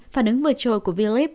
phản ứng vượt trôi của v lib